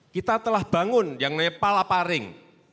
kita telah bangun yang namanya palaparing